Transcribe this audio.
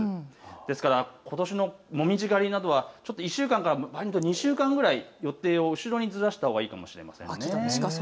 ですから、ことしのもみじ狩りなどは１週間から場合によると２週間ぐらい予定を後ろにずらしたほうがいいかもしれませんね。